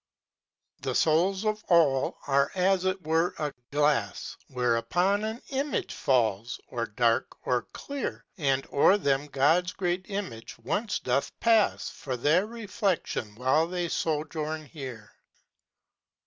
[ 90 ] The souls of all are as it were a glass, Whereon an image falls, or dark or clear, And o'er them God's great image once doth pass For their refle6lion while they sojourn here.